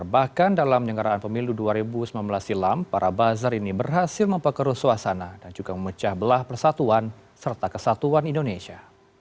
bahkan dalam penyelenggaraan pemilu dua ribu sembilan belas silam para bazar ini berhasil memperkeruh suasana dan juga memecah belah persatuan serta kesatuan indonesia